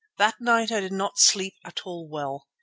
That night I did not sleep at all well.